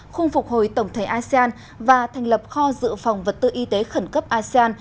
khung phục hồi tổng thể asean và thành lập kho dự phòng vật tư y tế khẩn cấp asean